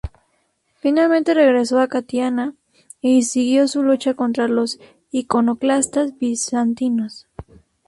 Finalmente regresó a Catania y siguió su lucha contra los iconoclastas bizantinos.